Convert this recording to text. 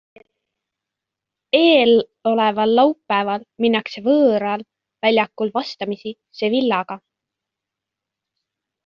Eeloleval laupäeval minnakse võõral väljakul vastamisi Sevillaga.